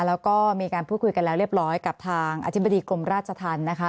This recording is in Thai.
แล้วก็มีการพูดคุยกันแล้วเรียบร้อยกับทางอธิบดีกรมราชธรรมนะคะ